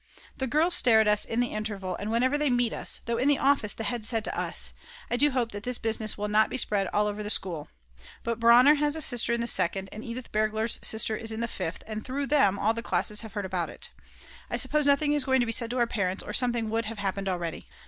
The girls stare at us in the interval and whenever they meet us, though in the office the head said to us: "I do hope that this business will not be spread all over the school." But Brauner has a sister in the Second and Edith Bergler's sister is in the Fifth and through them all the classes have heard about it. I suppose nothing is going to be said to our parents or something would have happened already.